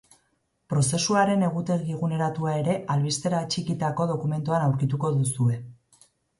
Prozesuaren egutegi eguneratua ere albistera atxikitako dokumentuan aurkituko duzue.